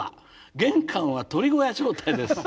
玄関は鳥小屋状態です。